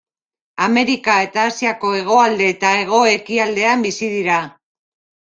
Amerika eta Asiako hegoalde eta hego-ekialdean bizi dira.